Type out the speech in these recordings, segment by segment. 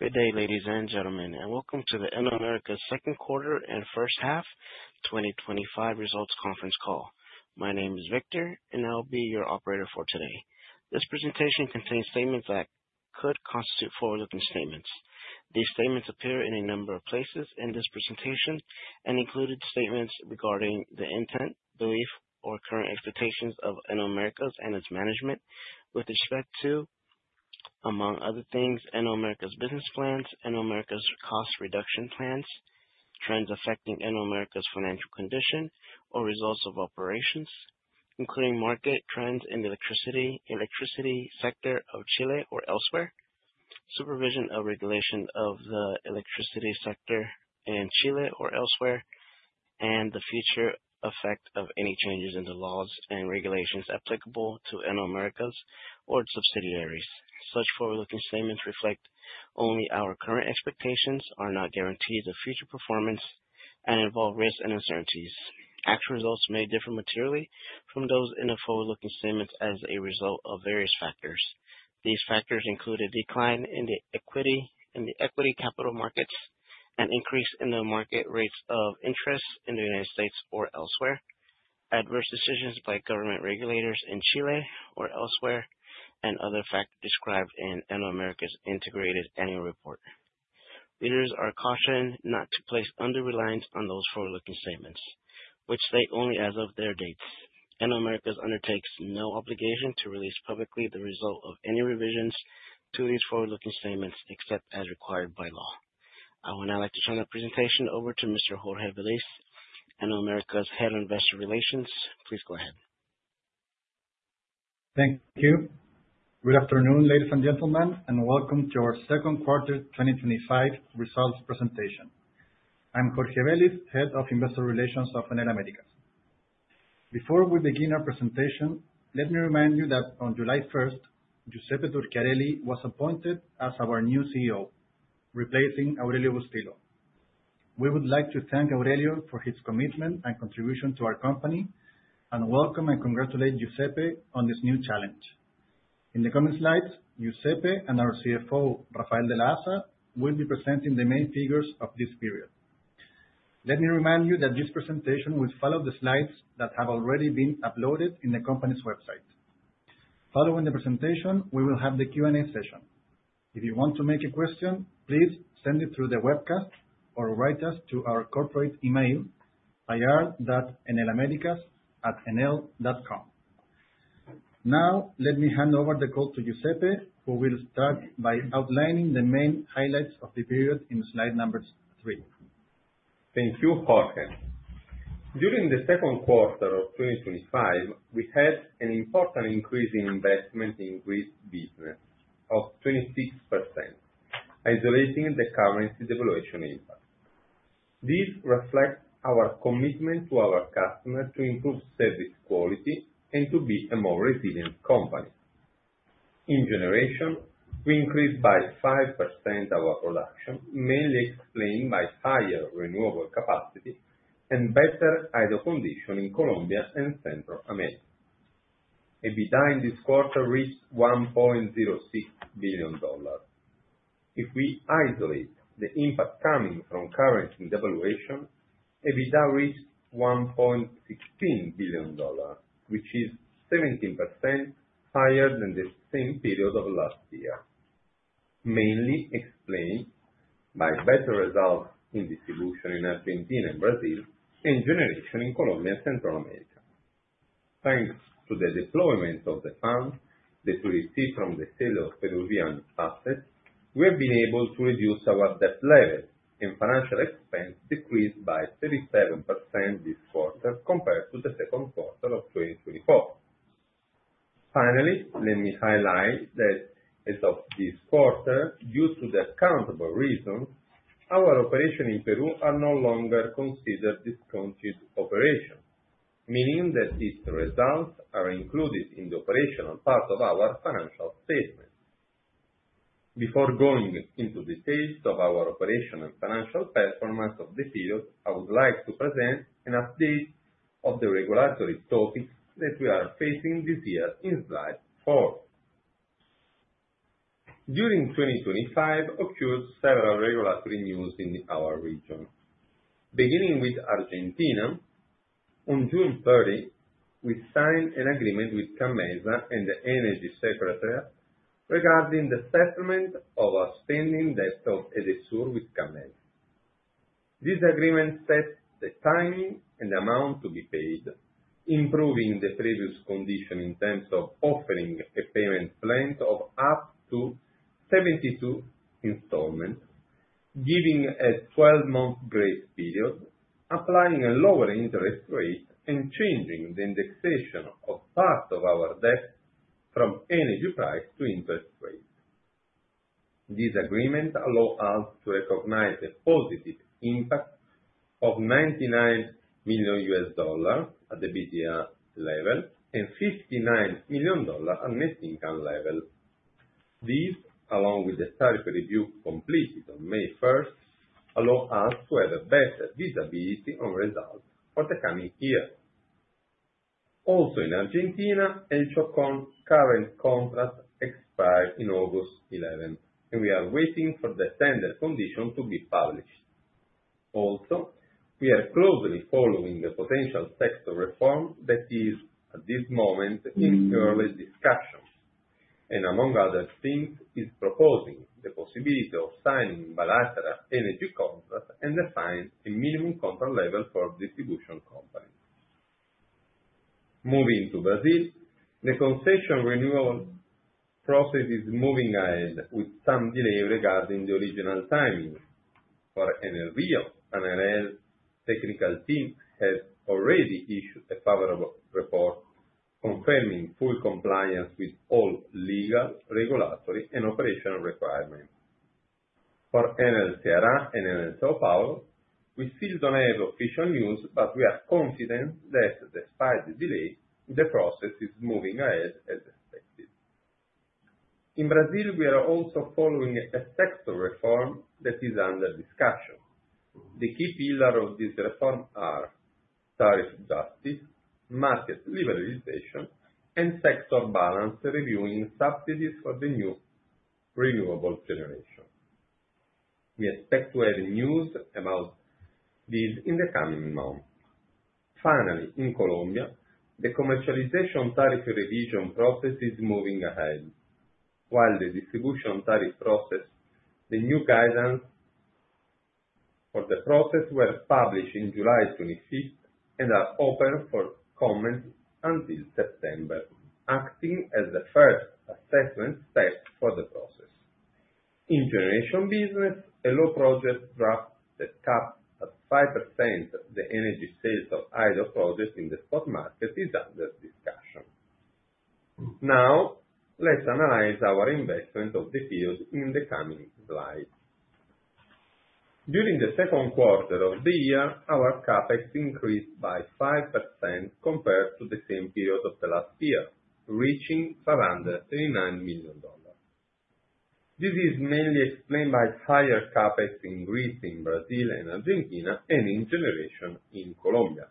Good day, ladies and gentlemen, and welcome to the Enel Américas second quarter and first half 2025 results conference call. My name is Victor, and I'll be your operator for today. This presentation contains statements that could constitute forward-looking statements. These statements appear in a number of places in this presentation, and included statements regarding the intent, belief, or current expectations of Enel Américas and its management with respect to, among other things, Enel Américas business plans, Enel Américas cost reduction plans, trends affecting Enel Américas financial condition or results of operations, including market trends in electricity sector of Chile or elsewhere, supervision of regulation of the electricity sector in Chile or elsewhere, and the future effect of any changes in the laws and regulations applicable to Enel Américas or its subsidiaries. Such forward-looking statements reflect only our current expectations, are not guarantees of future performance, and involve risks and uncertainties. Actual results may differ materially from those in the forward-looking statements as a result of various factors. These factors include a decline in the equity, in the equity capital markets, an increase in the market rates of interest in the United States or elsewhere, adverse decisions by government regulators in Chile or elsewhere, and other factors described in Enel Américas integrated annual report. Readers are cautioned not to place undue reliance on those forward-looking statements, which stay only as of their dates. Enel Américas undertakes no obligation to release publicly the result of any revisions to these forward-looking statements except as required by law. I would now like to turn the presentation over to Mr. Jorge Velis, Enel Américas Head of Investor Relations. Please go ahead. Thank you. Good afternoon, ladies and gentlemen, and welcome to our second quarter 2025 results presentation. I'm Jorge Velis, Head of Investor Relations of Enel Américas. Before we begin our presentation, let me remind you that on July 1st, Giuseppe Turchiarelli was appointed as our new CEO, replacing Aurelio Bustilho. We would like to thank Aurelio for his commitment and contribution to our company, and welcome and congratulate Giuseppe on this new challenge. In the coming slides, Giuseppe and our CFO, Rafael de la Haza, will be presenting the main figures of this period. Let me remind you that this presentation will follow the slides that have already been uploaded in the company's website. Following the presentation, we will have the Q&A session. If you want to make a question, please send it through the webcast or write us to our corporate email, ir.enelamericas@enel.com. Now, let me hand over the call to Giuseppe, who will start by outlining the main highlights of the period in slide number three. Thank you, Jorge. During the second quarter of 2025, we had an important increase in investment in grid business of 26%, isolating the currency devaluation impact. This reflects our commitment to our customers to improve service quality and to be a more resilient company. In generation, we increased by 5% our production, mainly explained by higher renewable capacity and better hydro condition in Colombia and Central America. EBITDA in this quarter reached $1.06 billion. If we isolate the impact coming from currency devaluation, EBITDA reached $1.16 billion, which is 17% higher than the same period of last year, mainly explained by better results in distribution in Argentina and Brazil, and generation in Colombia and Central America. Thanks to the deployment of the funds that we received from the sale of Peruvian assets, we have been able to reduce our debt levels, and financial expense decreased by 37% this quarter compared to the second quarter of 2024. Finally, let me highlight that as of this quarter, due to the accounting reasons, our operations in Peru are no longer considered discontinued operations, meaning that its results are included in the operational part of our financial statements. Before going into the details of our operational and financial performance of the period, I would like to present an update of the regulatory topics that we are facing this year in slide four. During 2025 occurred several regulatory news in our region. Beginning with Argentina, on June 30, we signed an agreement with CAMMESA and the Secretariat of Energy regarding the settlement of our outstanding debt of EDESUR with CAMMESA. This agreement sets the timing and amount to be paid, improving the previous condition in terms of offering a payment plan of up to 72 installments, giving a 12-month grace period, applying a lower interest rate, and changing the indexation of part of our debt from energy price to interest rate. This agreement allow us to recognize a positive impact of $99 million at EBITDA level and $59 million at net income level. This, along with the tariff review completed on May 1, allow us to have a better visibility on results for the coming year. Also in Argentina, Enel Chocón current contract expired in August 11, and we are waiting for the standard condition to be published. Also, we are closely following the potential sector reform that is, at this moment, in early discussions, and among other things, is proposing the possibility of signing bilateral energy contract and assign a minimum contract level for distribution companies. Moving to Brazil, the concession renewal process is moving ahead with some delay regarding the original timing. For Enel Rio, Enel technical team has already issued a favorable report confirming full compliance with all legal, regulatory, and operational requirements. For Enel Ceará, Enel São Paulo, we still don't have official news, but we are confident that despite the delay, the process is moving ahead as expected. In Brazil, we are also following a sector reform that is under discussion. The key pillar of this reform are tariff justice, market liberalization, and sector balance reviewing subsidies for the new renewable generation. We expect to have news about this in the coming months. Finally, in Colombia, the commercialization tariff revision process is moving ahead. While the distribution tariff process, the new guidance for the process were published in July 25 and are open for comment until September, acting as the first assessment step for the process. In generation business, a law project draft that caps at 5% the energy sales of hydro projects in the spot market is under discussion. Now, let's analyze our investments in the fields in the coming slides. During the second quarter of the year, our CapEx increased by 5% compared to the same period of the last year, reaching $739 million. This is mainly explained by higher CapEx in Grids, in Brazil, and Argentina, and in generation in Colombia.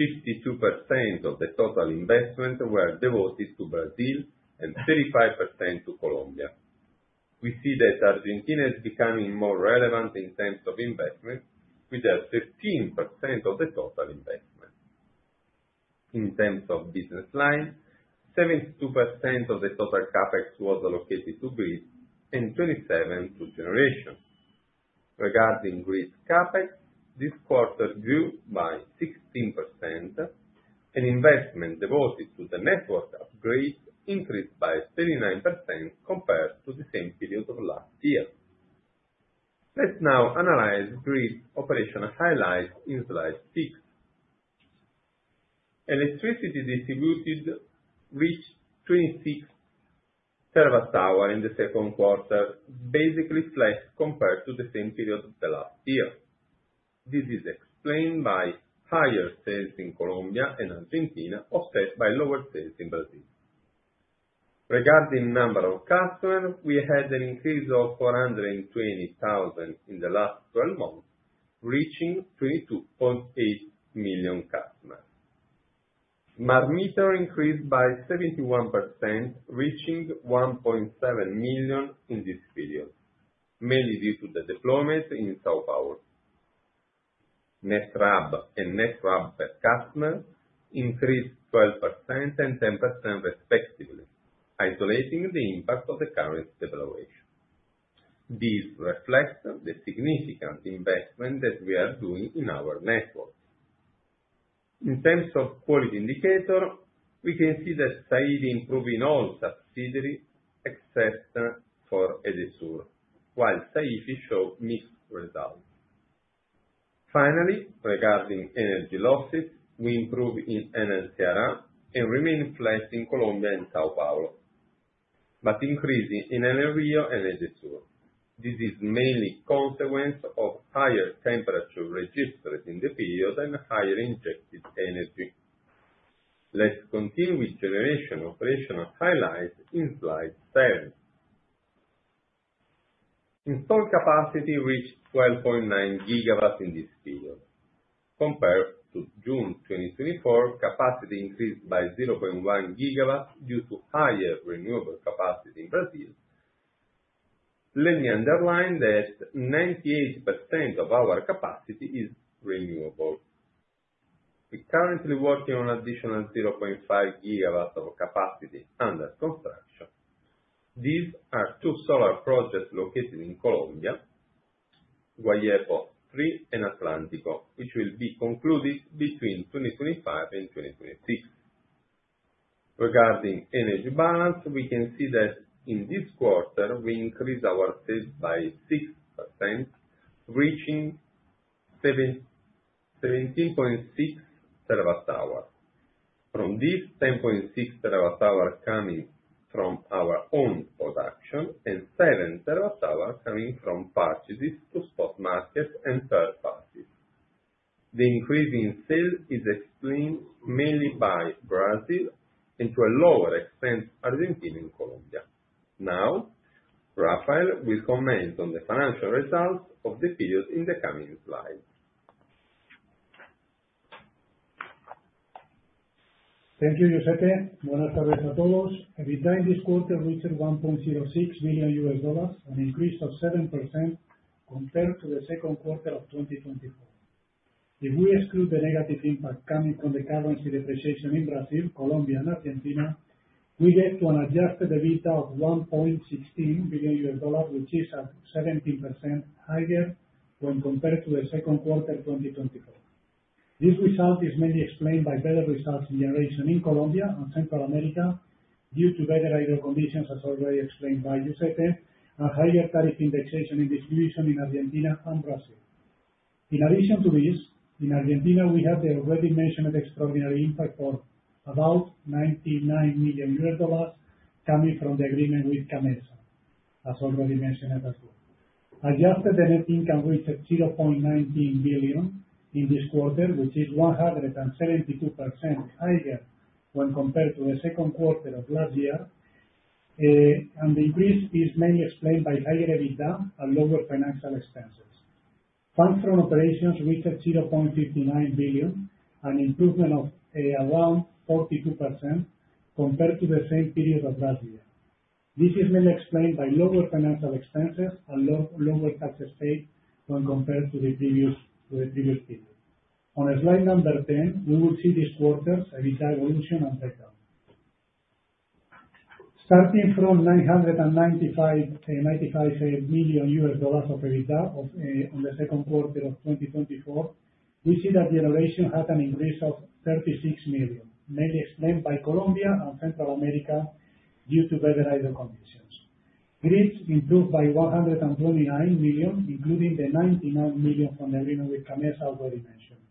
52% of the total investment were devoted to Brazil and 35% to Colombia. We see that Argentina is becoming more relevant in terms of investment, with 15% of the total investment. In terms of business line, 72% of the total CapEx was allocated to Grids and 27% to generation. Regarding Grids CapEx, this quarter grew by 16%, and investment devoted to the network of Grids increased by 39% compared to the same period of last year. Let's now analyze Grids operational highlights in slide 6. Electricity distributed reached 26 terawatt-hours in the second quarter, basically flat compared to the same period of last year. This is explained by higher sales in Colombia and Argentina, offset by lower sales in Brazil. Regarding number of customers, we had an increase of 420,000 in the last twelve months, reaching 22.8 million customers. Smart meter increased by 31%, reaching 1.7 million in this period, mainly due to the deployment in São Paulo. Net RAB and net RAB per customer increased 12% and 10% respectively, isolating the impact of the currency devaluation. This reflects the significant investment that we are doing in our network. In terms of quality indicator, we can see that SAIDI improving all subsidiaries except for EDESUR, while SAIFI show mixed results. Finally, regarding energy losses, we improve in Enel Ceará, and remain flat in Colombia and São Paulo, but increasing in Enel Rio and EDESUR. This is mainly consequence of higher temperature registered in the period and higher injected energy. Let's continue with generation operational highlights in slide 10. Installed capacity reached 12.9 GW in this period. Compared to June 2024, capacity increased by 0.1 gigawatts due to higher renewable capacity in Brazil. Let me underline that 98% of our capacity is renewable. We're currently working on additional 0.5 gigawatts of capacity under construction. These are two solar projects located in Colombia, Guayepo III and Atlántico, which will be concluded between 2025 and 2026. Regarding energy balance, we can see that in this quarter, we increased our sales by 6%, reaching 17.6 terawatt-hour. From this, 10.6 terawatt-hour coming from our own production, and seven terawatt-hour coming from purchases to spot markets and third parties. The increase in sales is explained mainly by Brazil, and to a lower extent, Argentina and Colombia. Now, Rafael will comment on the financial results of the period in the coming slide. Thank you, José. Buenas tardes a todos. EBITDA this quarter reached $1.06 billion, an increase of 7% compared to the second quarter of 2024. If we exclude the negative impact coming from the currency depreciation in Brazil, Colombia and Argentina, we get to an adjusted EBITDA of $1.16 billion, which is 17% higher when compared to the second quarter 2024. This result is mainly explained by better results generation in Colombia and Central America due to better hydro conditions, as already explained by Giuseppe, and higher tariff indexation in distribution in Argentina and Brazil. In addition to this, in Argentina, we have the already mentioned extraordinary impact for about $99 million coming from the agreement with CAMMESA, as already mentioned as well. Adjusted net income reached $0.19 billion in this quarter, which is 172% higher when compared to the second quarter of last year. The increase is mainly explained by higher EBITDA and lower financial expenses. Funds from operations reached $0.59 billion, an improvement of around 42% compared to the same period of last year. This is mainly explained by lower financial expenses and lower tax rate when compared to the previous period. On slide 10, we will see this quarter's EBITDA evolution and breakdown. Starting from $995 million of EBITDA on the second quarter of 2024, we see that generation had an increase of $36 million, mainly explained by Colombia and Central America due to better hydro conditions. Grids improved by $129 million, including the $99 million from the agreement with CAMMESA already mentioned.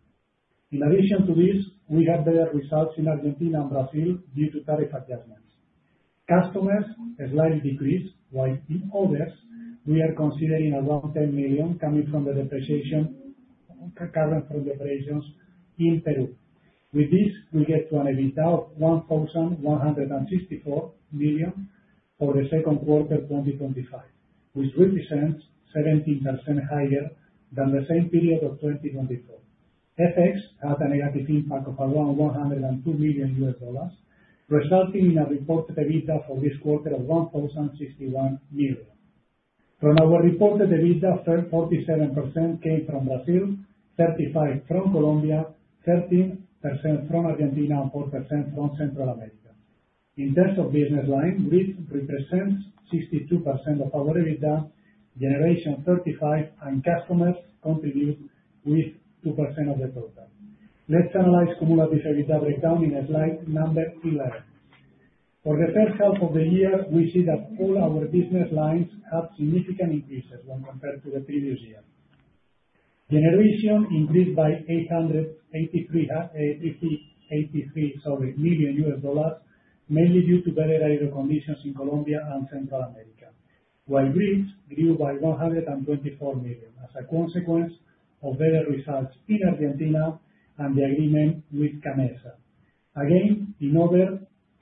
In addition to this, we have better results in Argentina and Brazil due to tariff adjustments. Customers, a slight decrease, while in others, we are considering around $10 million coming from the currency depreciation from the operations in Peru. With this, we get to an EBITDA of $1,164 million for the second quarter 2025, which represents 17% higher than the same period of 2024. FX has a negative impact of around $102 million, resulting in a reported EBITDA for this quarter of $1,061 million. From our reported EBITDA, 37% came from Brazil, 35% from Colombia, 13% from Argentina, and 4% from Central America. In terms of business line, Grid represents 62% of our EBITDA, Generation 35%, and Customers contribute with 2% of the total. Let's analyze cumulative EBITDA breakdown in slide 11. For the first half of the year, we see that all our business lines have significant increases when compared to the previous year. Generation increased by $883 million, mainly due to better hydro conditions in Colombia and Central America. While Grid grew by $124 million as a consequence of better results in Argentina and the agreement with CAMMESA.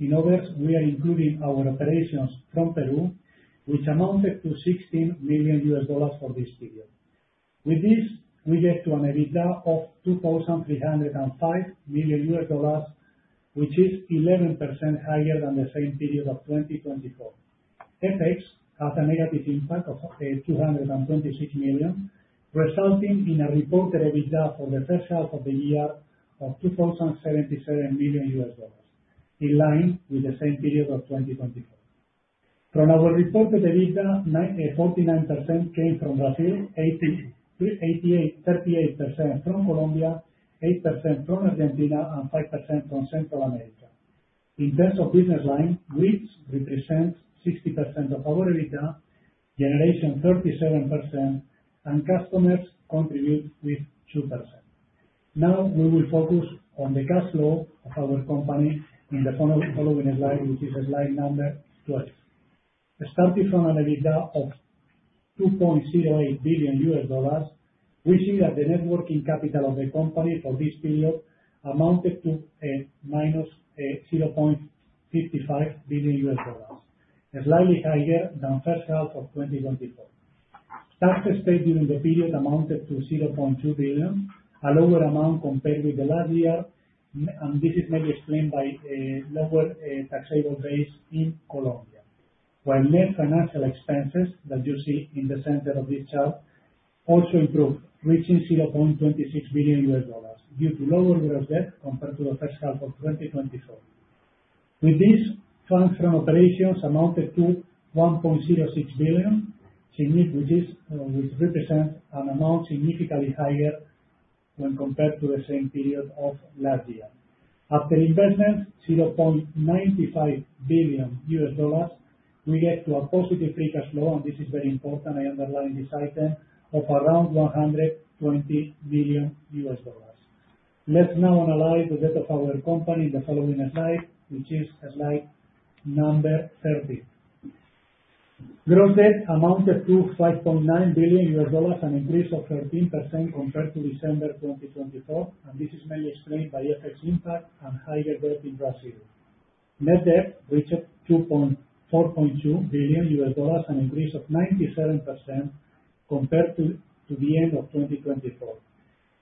In others, we are including our operations from Peru, which amounted to $16 million for this period. With this, we get to an EBITDA of $2,305 million, which is 11% higher than the same period of 2024. FX has a negative impact of $226 million, resulting in a reported EBITDA for the first half of the year of $2,077 million, in line with the same period of 2024. From our reported EBITDA, 49% came from Brazil, 38% from Colombia, 8% from Argentina, and 5% from Central America. In terms of business line, Grid represents 60% of our EBITDA, Generation 37%, and Customers contribute with 2%. Now we will focus on the cash flow of our company in the following slide, which is slide number 12. Starting from an EBITDA of $2.08 billion, we see that the net working capital of the company for this period amounted to -$0.55 billion, slightly higher than first half of 2024. Tax paid during the period amounted to $0.2 billion, a lower amount compared with the last year, and this is mainly explained by a lower taxable base in Colombia. While net financial expenses, that you see in the center of this chart, also improved, reaching $0.26 billion due to lower debt compared to the first half of 2024. With this, funds from operations amounted to $1.06 billion, which represents an amount significantly higher when compared to the same period of last year. After investment, $0.95 billion, we get to a positive free cash flow, and this is very important, I underline this item, of around $120 billion. Let's now analyze the debt of our company in the following slide, which is slide number 13. Gross debt amounted to $5.9 billion, an increase of 13% compared to December 2024, and this is mainly explained by FX impact and higher growth in Brazil. Net debt reached $4.2 billion, an increase of 97% compared to the end of 2024.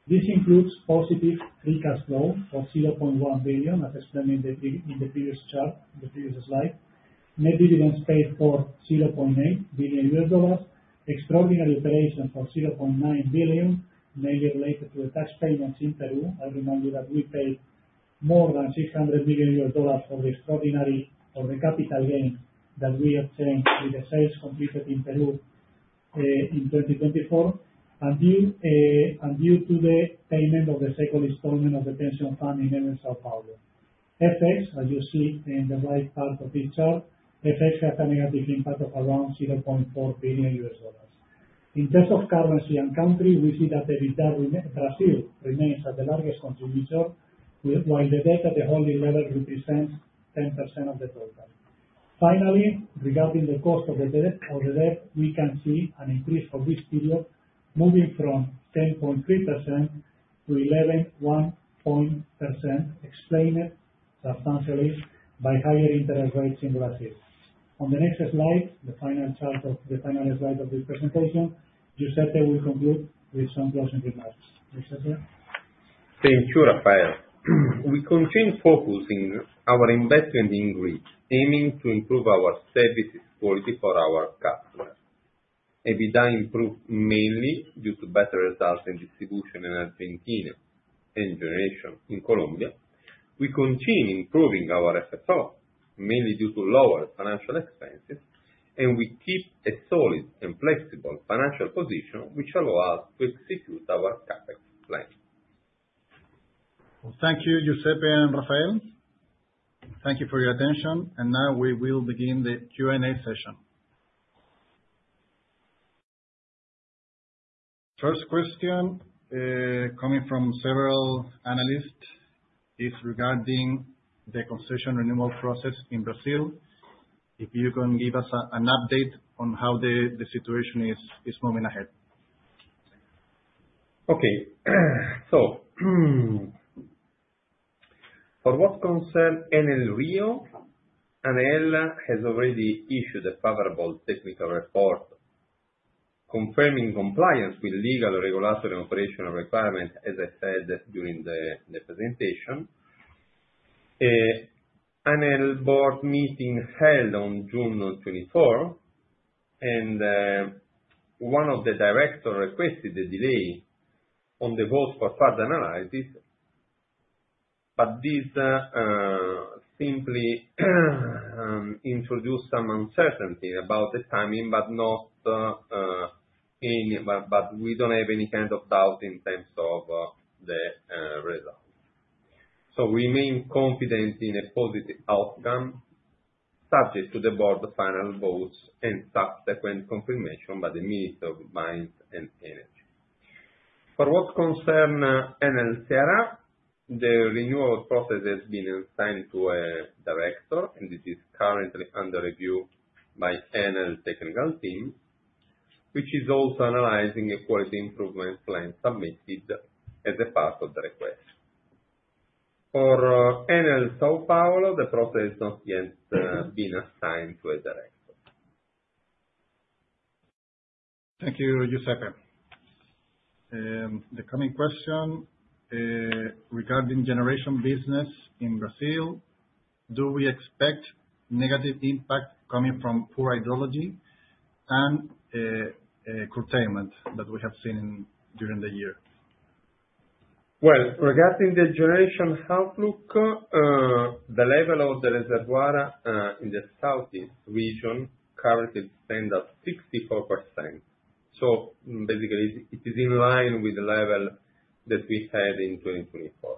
This includes positive free cash flow of $0.1 billion, as explained in the previous chart, in the previous slide. Net dividends paid for $0.8 billion. Extraordinary operation for $0.9 billion, mainly related to the tax payments in Peru. I remind you that we paid more than $600 million for the capital gain that we obtained with the sales completed in Peru, in 2024. Due to the payment of the second installment of the pension fund in Enel São Paulo. FX, as you see in the right part of this chart, FX has a negative impact of around $0.4 billion. In terms of currency and country, we see that EBITDA Brazil remains as the largest contributor, while the debt at the holding level represents 10% of the total. Finally, regarding the cost of the debt or the debt, we can see an increase for this period, moving from 10.3%-11.1%, explained substantially by higher interest rates in Brazil. On the next slide, the final slide of this presentation, Giuseppe will conclude with some closing remarks. Giuseppe? Thank you, Rafael. We continue focusing our investment in growth, aiming to improve our services quality for our customers. EBITDA improved mainly due to better results in distribution in Argentina and generation in Colombia. We continue improving our FFO, mainly due to lower financial expenses, and we keep a solid and flexible financial position, which allow us to execute our CapEx plan. Well, thank you, Giuseppe and Rafael. Thank you for your attention, and now we will begin the Q&A session. First question coming from several analysts is regarding the concession renewal process in Brazil. If you can give us an update on how the situation is moving ahead. Okay. For what concern Enel Rio, Enel has already issued a favorable technical report confirming compliance with legal, regulatory, and operational requirements, as I said during the presentation. Enel board meeting held on June 24, one of the directors requested a delay on the vote for further analysis. This simply introduced some uncertainty about the timing, but we don't have any kind of doubt in terms of the result. We remain confident in a positive outcome, subject to the board final votes and subsequent confirmation by the Minister of Mines and Energy. For what concern Enel Ceará, the renewal process has been assigned to a director, and it is currently under review by Enel technical team, which is also analyzing a quality improvement plan submitted as a part of the request. For Enel São Paulo, the process has yet been assigned to a director. Thank you, Giuseppe. The coming question, regarding generation business in Brazil, do we expect negative impact coming from poor hydrology and curtailment that we have seen during the year? Well, regarding the generation outlook, the level of the reservoir in the southeast region currently stand at 64%. Basically it is in line with the level that we had in 2024.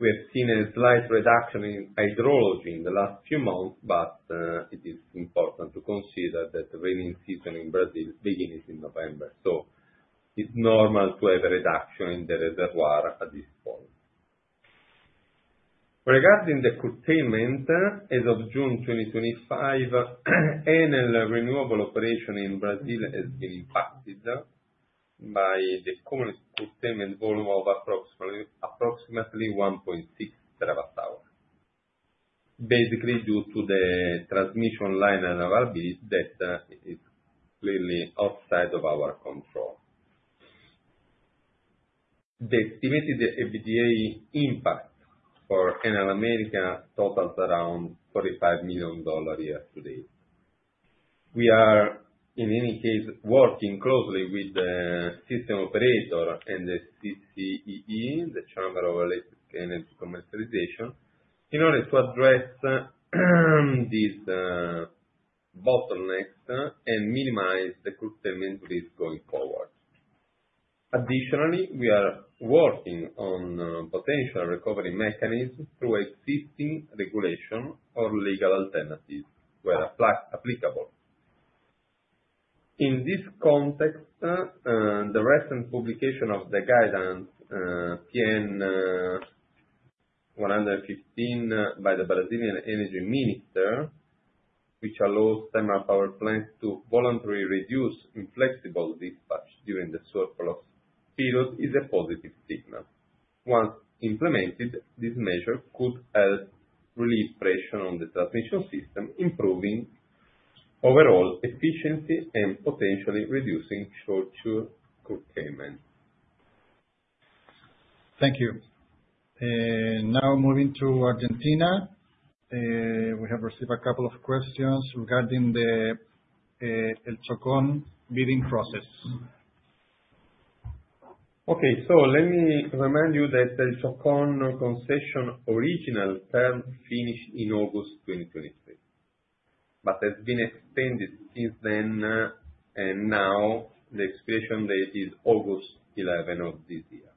We have seen a slight reduction in hydrology in the last few months, but it is important to consider that the rainy season in Brazil begins in November. It's normal to have a reduction in the reservoir at this point. Regarding the curtailment, as of June 2025, Enel Renewables operation in Brazil has been impacted by the current curtailment volume of approximately 1.6 terawatt-hour, basically due to the transmission line availability that is clearly outside of our control. The estimated EBITDA impact for Enel Américas totals around $45 million year to date. We are, in any case, working closely with the system operator and the CCEE, the Chamber of Electric Energy Commercialization, in order to address these bottlenecks and minimize the curtailment risk going forward. Additionally, we are working on potential recovery mechanisms through existing regulation or legal alternatives where applicable. In this context, the recent publication of the guidance PN 115 by Brazil's Ministry of Mines and Energy, which allows thermal power plants to voluntarily reduce inflexible dispatch during the surplus periods, is a positive signal. Once implemented, this measure could help release pressure on the transmission system, improving overall efficiency and potentially reducing short-term curtailment. Thank you. Now moving to Argentina. We have received a couple of questions regarding the El Chocón bidding process. Okay. Let me remind you that the El Chocón concession original term finished in August 2023, but has been extended since then, and now the expiration date is August 11 of this year.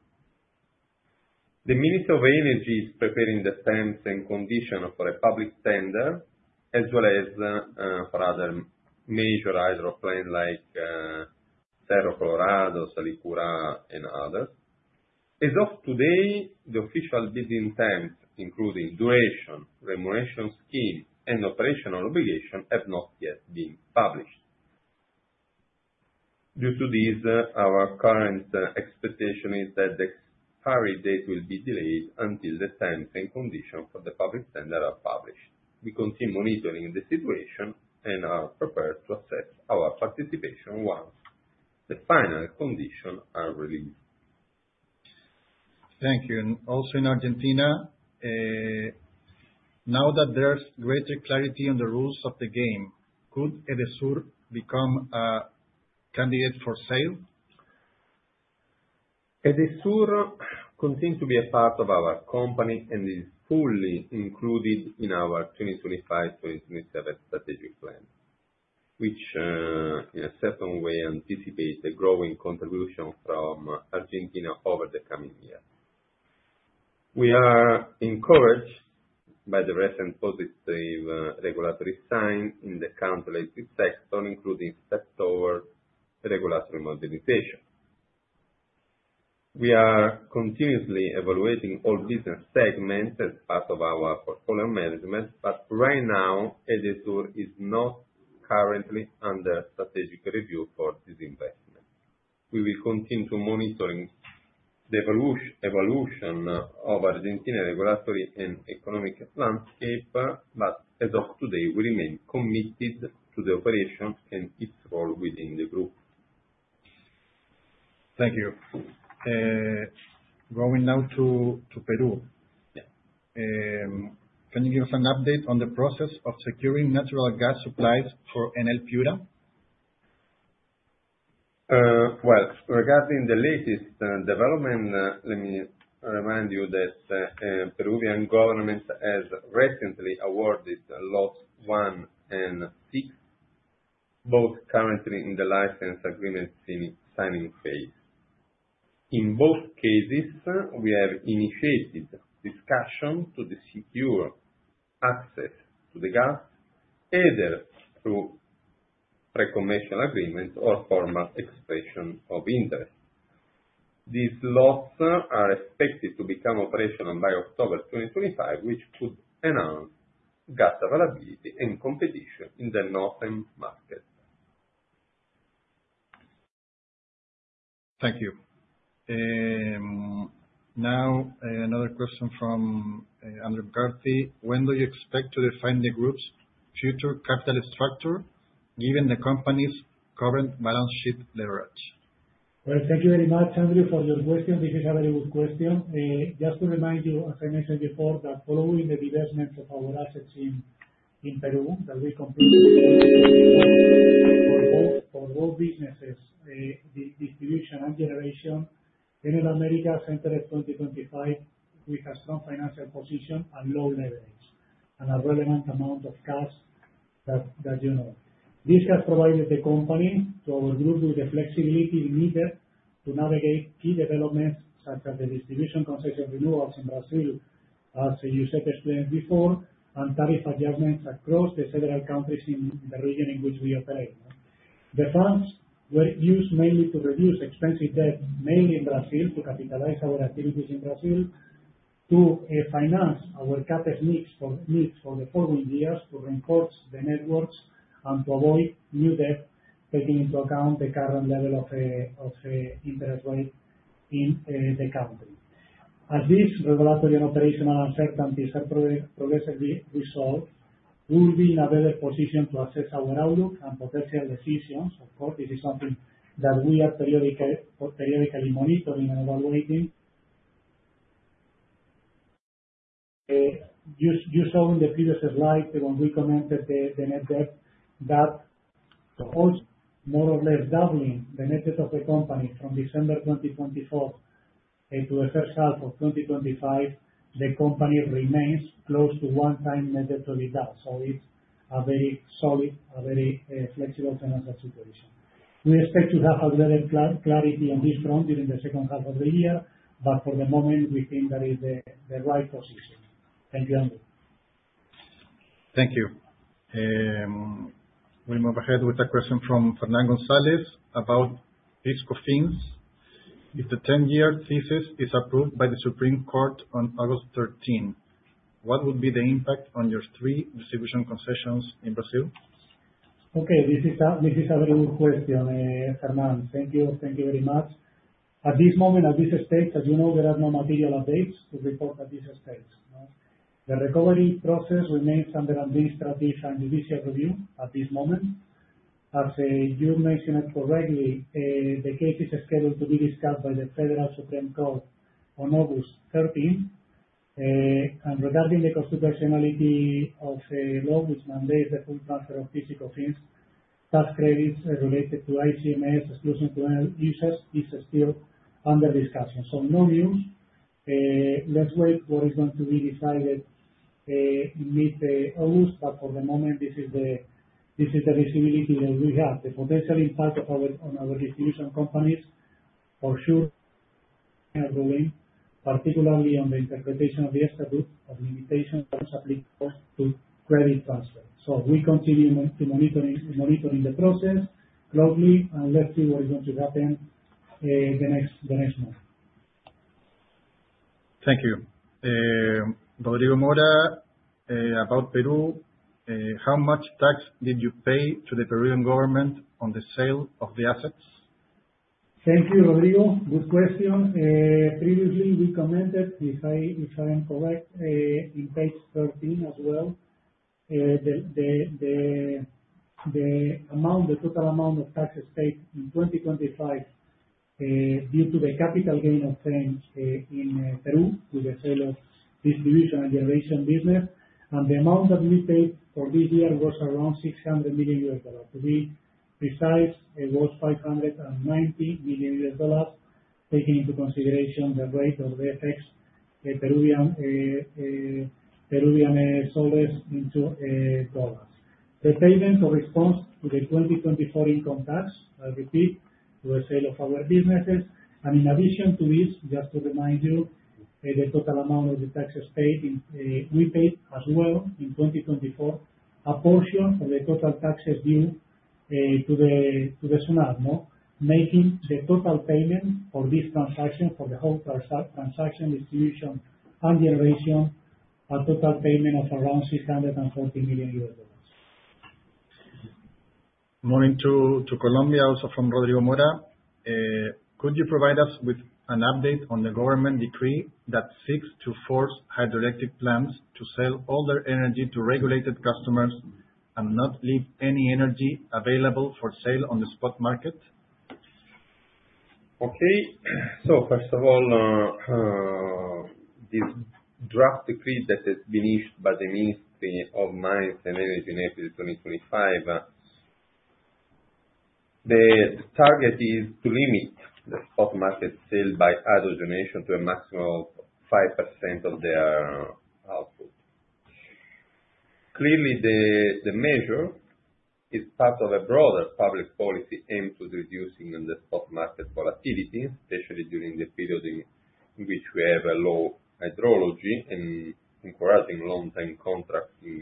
The Ministry of Energy is preparing the terms and conditions for a public tender, as well as for other major hydro plant like Cerros Colorados, Salicura, and others. As of today, the official bidding terms, including duration, remuneration scheme, and operational obligations, have not yet been published. Due to this, our current expectation is that the expiry date will be delayed until the terms and conditions for the public tender are published. We continue monitoring the situation and are prepared to assess our participation once the final conditions are released. Thank you. In Argentina, now that there's greater clarity on the rules of the game, could EDESUR become a candidate for sale? EDESUR continues to be a part of our company and is fully included in our 2025, 2027 strategic plan, which in a certain way anticipates the growing contribution from Argentina over the coming years. We are encouraged by the recent positive regulatory signs in the country's sector, including steps towards regulatory modernization. We are continuously evaluating all business segments as part of our portfolio management, but right now EDESUR is not currently under strategic review for disinvestment. We will continue to monitor the evolution of Argentine regulatory and economic landscape, but as of today, we remain committed to the operation and its role within the group. Thank you. Going now to Peru. Yeah. Can you give us an update on the process of securing natural gas supplies for Enel Generación Piura? Well, regarding the latest development, let me remind you that Peruvian government has recently awarded Lots I and VI, both currently in the license agreement signing phase. In both cases, we have initiated discussions to secure access to the gas, either through concession agreement or formal expression of interest. These lots are expected to become operational by October 2025, which should enhance gas availability and competition in the northern market. Thank you. Now, another question from Andrew McCarthy. When do you expect to refine the group's future capital structure, given the company's current balance sheet leverage? Well, thank you very much, Andrew, for your question. This is a very good question. Just to remind you, as I mentioned before, that following the divestment of our assets in Peru that we completed for both businesses, distribution and generation, Enel Américas entered 2025 with a strong financial position and low leverage and a relevant amount of cash that you know. This has provided the company with the flexibility needed to navigate key developments such as the distribution concession renewals in Brazil, as Giuseppe explained before, and tariff adjustments across the several countries in the region in which we operate. The funds were used mainly to reduce expensive debts, mainly in Brazil, to capitalize our activities in Brazil to finance our CapEx needs for the following years, to reinforce the networks and to avoid new debt, taking into account the current level of interest rates in the country. As these regulatory and operational uncertainties are progressively resolved, we'll be in a better position to assess our outlook and potential decisions. Of course, this is something that we are periodically monitoring and evaluating. You saw in the previous slide when we commented the net debt that we'll more or less double the net debt of the company from December 2024 to the first half of 2025, the company remains close to 1x net debt to EBITDA. It's a very solid, a very flexible financial situation. We expect to have a better clarity on this front during the second half of the year, but for the moment we think that is the right position. Thank you, Andrew. Thank you. We'll move ahead with a question from Fernando González about PIS/COFINS. If the 10-year thesis is approved by the Federal Supreme Court on August 13, what would be the impact on your three distribution concessions in Brazil? Okay. This is a very good question, Fernando. Thank you. Thank you very much. At this moment, at this stage, as you know, there are no material updates to report at this stage. The recovery process remains under administrative and judicial review at this moment. As you mentioned it correctly, the case is scheduled to be discussed by the Federal Supreme Court on August thirteenth. Regarding the constitutionality of a law which mandates the full transfer of PIS/COFINS tax credits related to ICMS exclusion to other issues is still under discussion. No news. Let's wait what is going to be decided mid-August. For the moment, this is the visibility that we have. The potential impact on our distribution companies for sure are growing, particularly on the interpretation of the statute of limitations that is applicable to credit transfer. We continue monitoring the process closely and let's see what is going to happen, the next month. Thank you. Rodrigo Mora, about Peru, how much tax did you pay to the Peruvian government on the sale of the assets? Thank you, Rodrigo. Good question. Previously we commented, if I am correct, in page 13 as well, the total amount of taxes paid in 2025, due to the capital gain obtained in Peru with the sale of distribution and generation business. The amount that we paid for this year was around $600 million. To be precise, it was $590 million, taking into consideration the rate of the FX, Peruvian soles into dollars. The payment corresponds to the 2024 income tax, I repeat, to the sale of our businesses. In addition to this, just to remind you, the total amount of the taxes paid in, we paid as well in 2024, a portion of the total taxes due, to the SUNAT, no? Making the total payment for this transaction, for the whole transaction, distribution, and generation, a total payment of around $640 million. Moving to Colombia, also from Rodrigo Mora. Could you provide us with an update on the government decree that seeks to force hydroelectric plants to sell all their energy to regulated customers and not leave any energy available for sale on the spot market? Okay. First of all, this draft decree that has been issued by the Ministry of Mines and Energy in April 2025. The target is to limit the spot market sale by other generation to a maximum of 5% of their output. Clearly, the measure is part of a broader public policy aimed to reducing the spot market volatility, especially during the periods in which we have a low hydrology, and encouraging long-term contracts in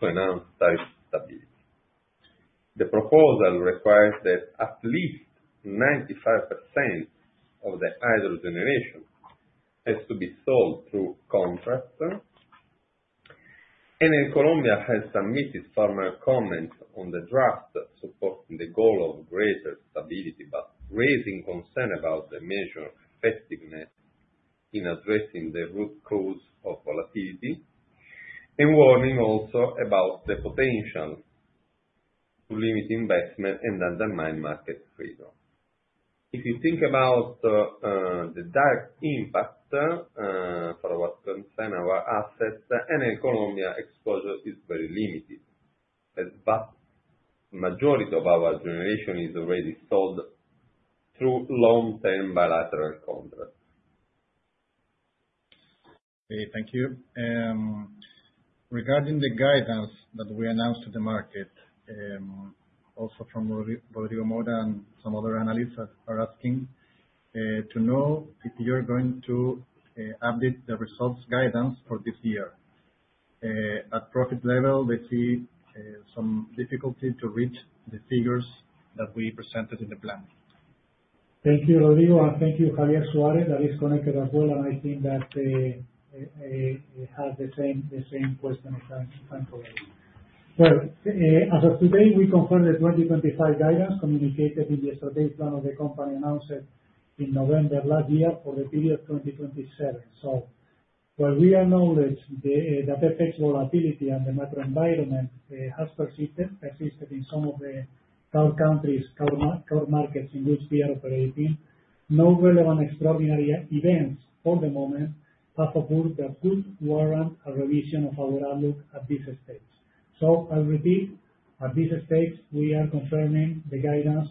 to enhance price stability. The proposal requires that at least 95% of the hydro generation has to be sold through contracts. ANEEL has submitted formal comments on the draft supporting the goal of greater stability, but raising concern about the measure effectiveness in addressing the root cause of volatility, and warning also about the potential to limit investment and undermine market freedom. If you think about the direct impact for what concern our assets, Enel Colombia exposure is very limited, as vast majority of our generation is already sold through long-term bilateral contracts. Okay, thank you. Regarding the guidance that we announced to the market, also from Rodrigo Mora and some other analysts are asking to know if you're going to update the results guidance for this year. At profit level, we see some difficulty to reach the figures that we presented in the plan. Thank you, Rodrigo, and thank you, Javier Suarez, that is connected as well. I think that you have the same question at hand already. Well, as of today, we confirm the 2025 guidance communicated in the strategic plan of the company announced in November last year for the period of 2027. While we acknowledge the perplexing volatility and the macro environment has persisted in some of the core markets in which we are operating, no relevant extraordinary events for the moment have occurred that could warrant a revision of our outlook at this stage. I repeat, at this stage, we are confirming the guidance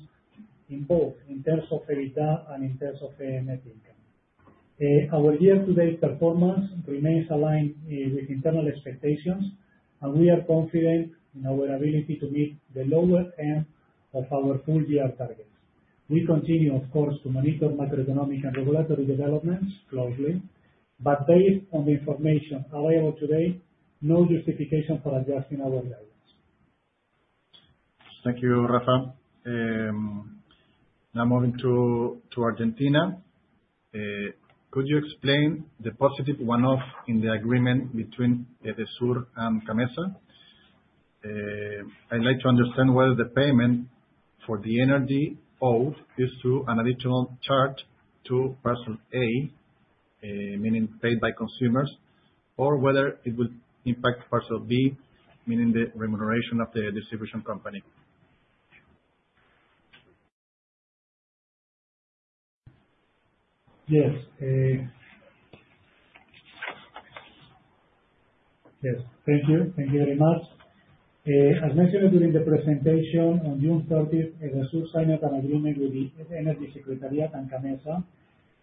in both in terms of EBITDA and in terms of net income. Our year-to-date performance remains aligned with internal expectations, and we are confident in our ability to meet the lower end of our full-year targets. We continue, of course, to monitor macroeconomic and regulatory developments closely. Based on the information available today, no justification for adjusting our guidance. Thank you, Rafael. Now moving to Argentina. Could you explain the positive one-off in the agreement between EDESUR and CAMMESA? I'd like to understand whether the payment for the energy owed is through an additional charge to Cuadro Tarifario, meaning paid by consumers, or whether it would impact plan B, meaning the remuneration of the distribution company. Yes. Yes. Thank you. Thank you very much. As mentioned during the presentation, on June thirtieth, EDESUR signed an agreement with the Secretariat of Energy and CAMMESA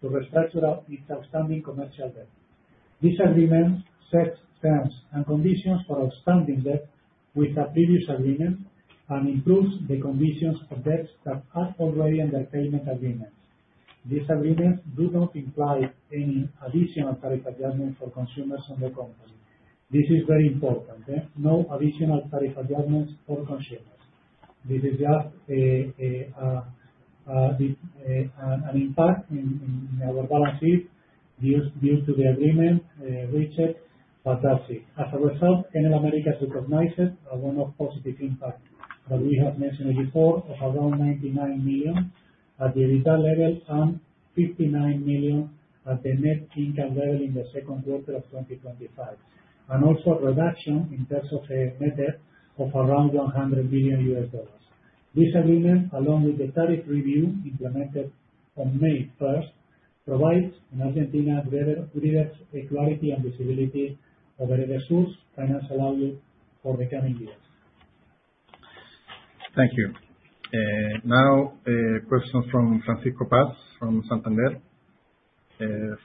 to restructure its outstanding commercial debt. This agreement sets terms and conditions for outstanding debt with the previous agreement, and improves the conditions of debts that are already under payment agreements. These agreements do not imply any additional tariff adjustment for consumers and the company. This is very important, okay? No additional tariff adjustments for consumers. This is just an impact in our balance sheet due to the agreement reached. That's it. As a result, Enel Américas recognizes a one-off positive impact that we have mentioned before of around $99 million at the EBITDA level and $59 million at the net income level in the second quarter of 2025. A reduction in terms of net debt of around $100 million. This agreement, along with the tariff review implemented on May first, provides in Argentina better clarity and visibility over the sources of finance allowing for the coming years. Thank you. Now, a question from Francisco Paz from Santander.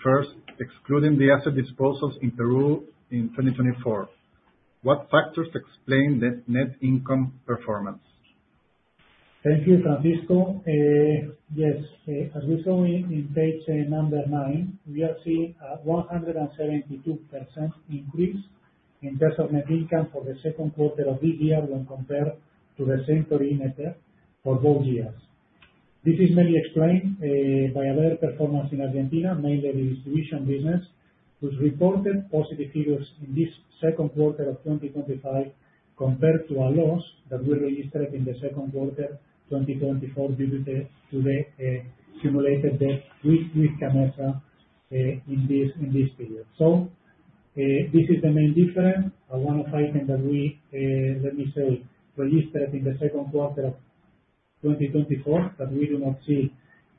First, excluding the asset disposals in Peru in 2024, what factors explain the net income performance? Thank you, Francisco. Yes, as we show in page number nine, we are seeing a 172% increase in terms of net income for the second quarter of this year when compared to the same quarter in net income for both years. This is mainly explained by a better performance in Argentina, mainly the distribution business, which reported positive figures in this second quarter of 2025, compared to a loss that we registered in the second quarter 2024 due to the debt with CAMMESA in this period. This is the main difference. One item that we, let me say, registered in the second quarter of 2024, but we do not see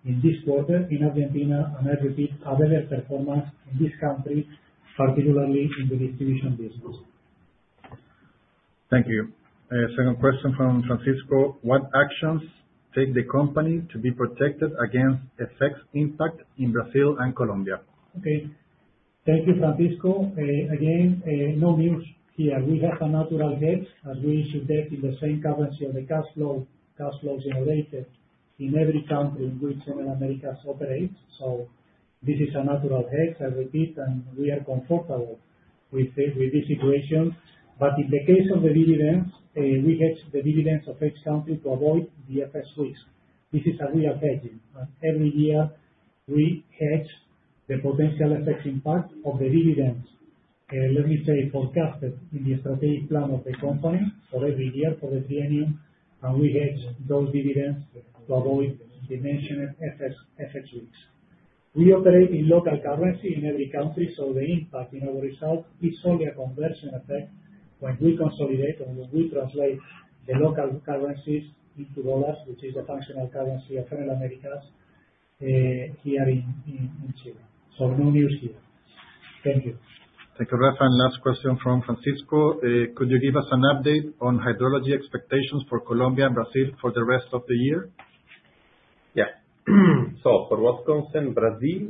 in this quarter in Argentina, and I repeat, a better performance in this country, particularly in the distribution business. Thank you. Second question from Francisco: What actions take the company to be protected against FX impact in Brazil and Colombia? Okay. Thank you, Francisco. Again, no news here. We have a natural hedge as we issue debt in the same currency of the cashflow generated in every country in which Enel Américas operates. This is a natural hedge, I repeat, and we are comfortable with this situation. In the case of the dividends, we hedge the dividends of each country to avoid the FX risk. This is a real hedging. Every year, we hedge the potential FX impact of the dividends, let me say, forecasted in the strategic plan of the company for every year, for the tenure, and we hedge those dividends to avoid the mentioned FX risks. We operate in local currency in every country, so the impact in our results is only a conversion effect when we consolidate and when we translate the local currencies into dollars, which is the functional currency of Enel Américas here in Chile. No news here. Thank you. Thank you, Rafa. Last question from Francisco: Could you give us an update on hydrology expectations for Colombia and Brazil for the rest of the year? Yeah. For what concern Brazil,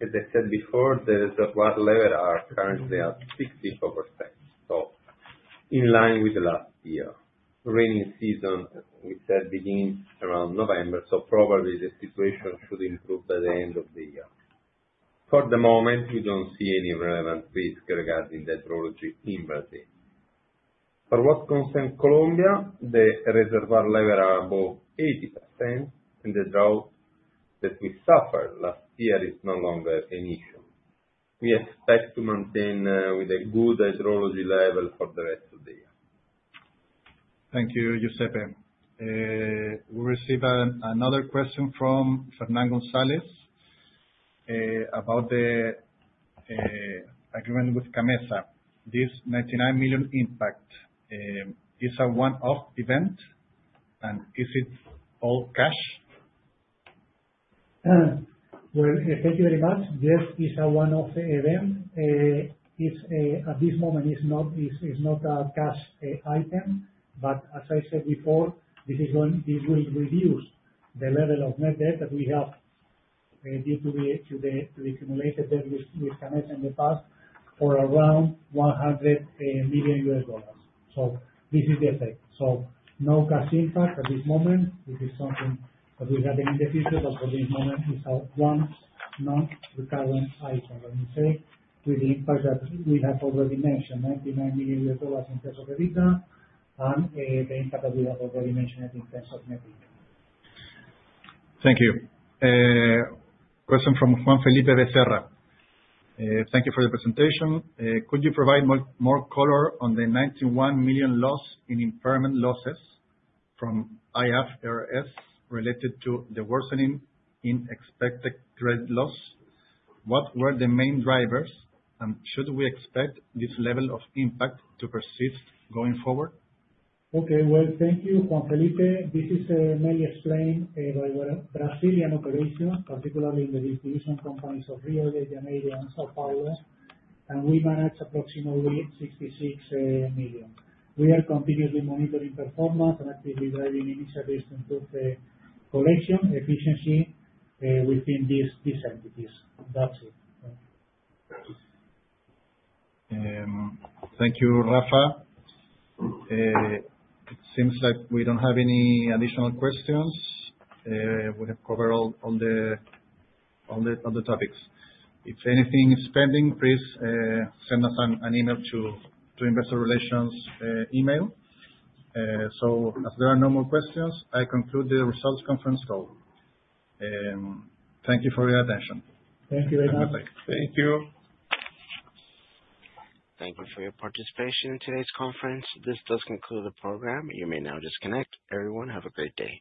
as I said before, the reservoir level are currently at 60%. In line with the last year. Rainy season, we said, begins around November, so probably the situation should improve by the end of the year. For the moment, we don't see any relevant risk regarding the hydrology in Brazil. For what concern Colombia, the reservoir level are above 80%, and the drought that we suffered last year is no longer an issue. We expect to maintain with a good hydrology level for the rest of the year. Thank you, Giuseppe. We received another question from Fernando González about the agreement with CAMMESA. This $99 million impact is a one-off event, and is it all cash? Well, thank you very much. Yes, it's a one-off event. At this moment, it's not a cash item. As I said before, this will reduce the level of net debt that we have due to the accumulated debt with CAMMESA in the past for around $100 million. This is the effect. No cash impact at this moment. This is something that we have in the future, but for this moment, it's a one non-recurrent item, let me say, with the impact that we have already mentioned, $99 million in terms of EBITDA and the impact that we have already mentioned in terms of net income. Thank you. Question from Juan Felipe Becerra. Thank you for the presentation. Could you provide more color on the $91 million loss in impairment losses from IFRS related to the worsening in expected credit loss? What were the main drivers? Should we expect this level of impact to persist going forward? Well, thank you, Juan Felipe. This is mainly explained by our Brazilian operations, particularly in the distribution companies of Rio de Janeiro and São Paulo, and we managed approximately $66 million. We are continuously monitoring performance and actively driving initiatives to improve the collection efficiency within these entities. That's it. Thank you. Thank you, Rafael. It seems like we don't have any additional questions. We have covered all the topics. If anything is pending, please send us an email to investor relations email. As there are no more questions, I conclude the results conference call. Thank you for your attention. Thank you. Have a great day. Thank you. Thank you for your participation in today's conference. This does conclude the program. You may now disconnect. Everyone, have a great day.